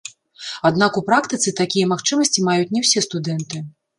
Аднак у практыцы такія магчымасці маюць не ўсе студэнты.